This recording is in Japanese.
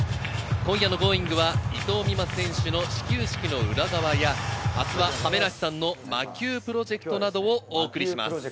今夜の『Ｇｏｉｎｇ！』は伊藤美誠選手の始球式の裏側や明日は亀梨さんの魔球プロジェクトなどをお送りします。